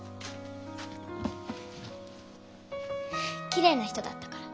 きれいな人だったから。